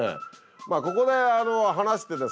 まあここで話してですね